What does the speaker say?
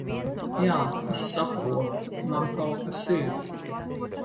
Jā, es saprotu. Man kaut kas ir...